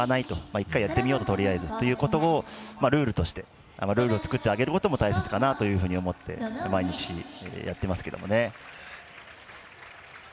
１回やってみようということをルールとして、ルールを作ってあげることが大事かなと思って毎日やってますけどね。